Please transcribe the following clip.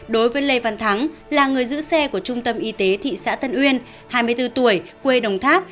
đối với lê văn thắng là người giữ xe của trung tâm y tế thị xã tân uyên hai mươi bốn tuổi quê đồng tháp